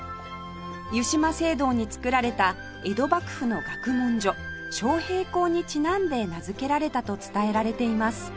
湯島聖堂に造られた江戸幕府の学問所昌平黌にちなんで名付けられたと伝えられています